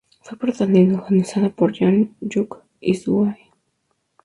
Fue protagonizada por Jang Hyuk y Soo Ae.